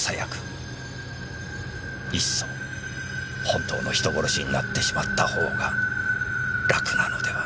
「いっそ本当の人殺しになってしまったほうが楽なのでは？」